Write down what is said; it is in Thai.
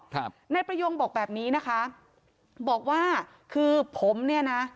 ครับนายประยงบอกแบบนี้นะคะบอกว่าคือผมเนี่ยนะ